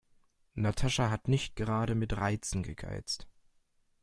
Natascha hat nicht gerade mit Reizen gegeizt.